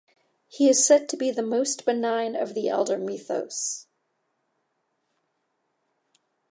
He is said to be the most benign of the Elder Mythos.